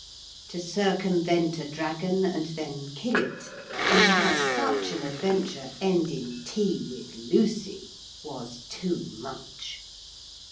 To circumvent a dragon and then kill it, and to have such an adventure end in tea with Lucy, was too much.